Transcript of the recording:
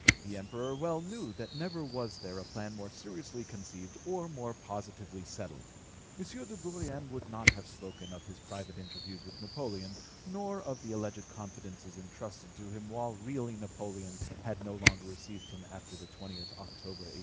The Emperor well knew that never was there a plan more seriously conceived or more positively settled. M. de Bourrienne would not have spoken of his private interviews with Napoleon, nor of the alleged confidences entrusted to him, while really Napoleon had no longer received him after the 20th October 1802.